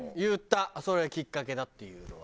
それがきっかけだっていうのは。